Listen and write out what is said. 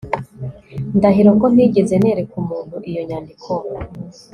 Ndahiro ko ntigeze nereka umuntu iyo nyandiko